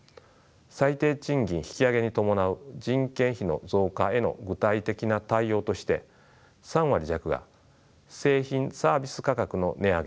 最低賃金引き上げに伴う人件費の増加への具体的な対応として３割弱が「製品・サービス価格の値上げ」